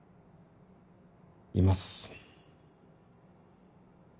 います。